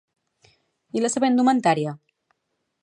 I la seva indumentària?